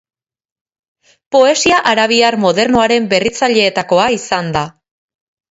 Poesia arabiar modernoaren berritzaileetakoa izan da.